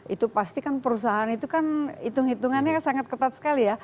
itu pasti kan perusahaan itu kan hitung hitungannya sangat ketat sekali ya